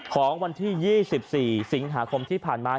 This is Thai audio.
ของวันที่๒๔สิงหาคมที่ผ่านมา